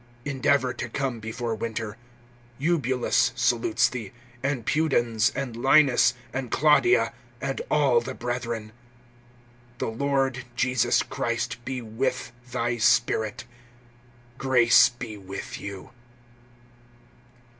(21)Endeavor to come before winter. Eubulus salutes thee, and Pudens, and Linus, and Claudia, and all the brethren. (22)The Lord Jesus Christ be with thy spirit. Grace be with you.